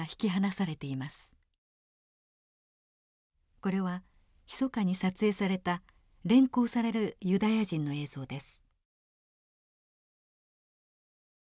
これはひそかに撮影された連行されるユダヤ人の映像です。